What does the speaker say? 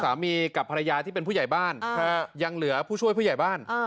สามีกับภรรยาที่เป็นผู้ใหญ่บ้านยังเหลือผู้ช่วยผู้ใหญ่บ้าน